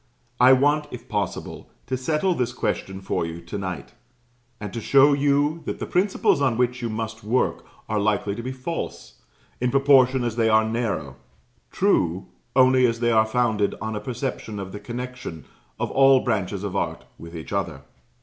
I want, if possible, to settle this question for you to night, and to show you that the principles on which you must work are likely to be false, in proportion as they are narrow; true, only as they are founded on a perception of the connection of all branches of art with each other.